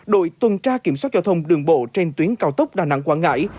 đội tuần tra kiểm soát giao thông đường bộ trên tuyến cao tốc đà nẵng quảng ngãi